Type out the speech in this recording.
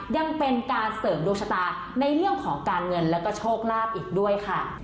ยังเป็นการเสริมดวงชะตาในเรื่องของการเงินแล้วก็โชคลาภอีกด้วยค่ะ